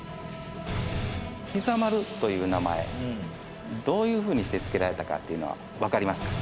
膝丸という名前どういうふうにして付けられたかっていうのはわかりますか？